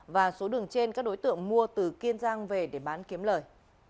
và số đường trên các đối tượng mua từ kiên giang về để bán kiếm lời